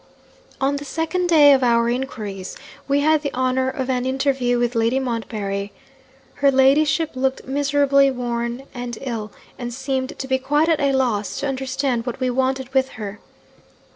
'On the second day of our inquiries, we had the honour of an interview with Lady Montbarry. Her ladyship looked miserably worn and ill, and seemed to be quite at a loss to understand what we wanted with her.